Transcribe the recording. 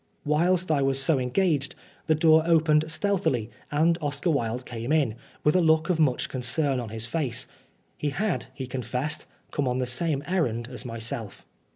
Whilst I was so engaged, the door opened stealthily, and Oscar Wilde came in, with a look of much concern on his face. He had, he confessed, come on the same errand as myself.